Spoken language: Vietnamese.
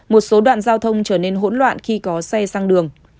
một số đoạn giao thông trở nên hỗn loạn khi có xe sang đường